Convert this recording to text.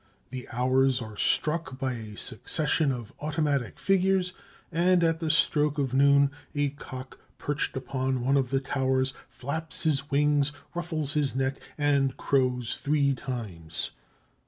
The hours are struck by a succession of automatic figures, and at the stroke of noon a cock, perched upon one of the towers, flaps his wings, ruffles his neck, and crows three times.